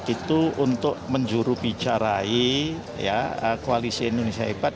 itu untuk menjurubicarai koalisi indonesia hebat